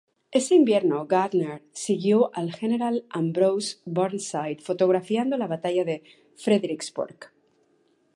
Ese invierno, Gardner siguió al General Ambrose Burnside, fotografiando la Batalla de Fredericksburg.